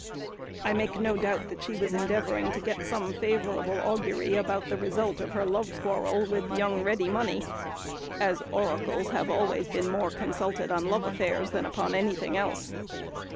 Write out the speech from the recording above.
I make no doubt that she was endeavouring to get some favourable augury about the result of her love quarrel with young Ready Money, as oracles have always been more consulted on love affairs than upon anything else.